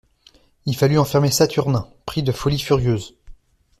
Il fallut enfermer Saturnin, pris de folie furieuse.